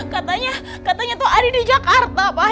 katanya katanya tuh ada di jakarta pak